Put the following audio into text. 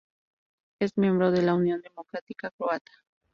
Es miembro de la Unión Democrática Croata.